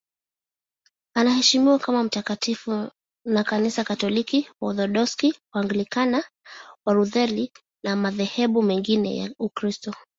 Anaheshimiwa kama mtakatifu na Kanisa Katoliki, Waorthodoksi, Waanglikana, Walutheri na madhehebu mengine ya Ukristo.